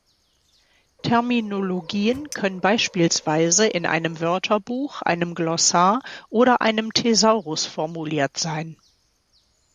Terminologien können beispielsweise in einem Wörterbuch, einem Glossar oder einem Thesaurus formuliert sein.